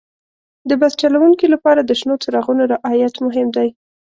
د بس چلوونکي لپاره د شنو څراغونو رعایت مهم دی.